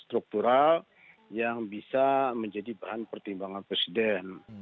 struktural yang bisa menjadi bahan pertimbangan presiden